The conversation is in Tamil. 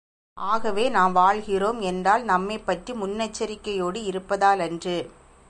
ஆகவே, நாம் வாழ்கிறோம் என்றால், நம்மைப் பற்றி முன்னெச்சரிக்கையோடு இருப்பதாலன்று.